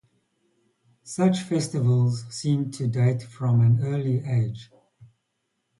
Such festivals seem to date from an early age.